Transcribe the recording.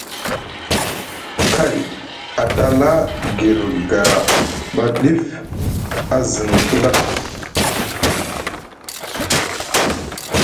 Kay a tala guir gara ɓa ɗif a zinku ɗa.